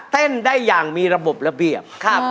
เล่นได้อย่างมีระบบระเบียบ